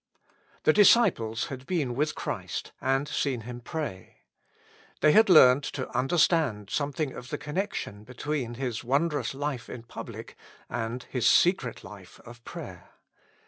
THE disciples had been with Christ and seen Him pray. They had learned to understand some thing of the connection between His wondrous life in public, and His secret life of prayer.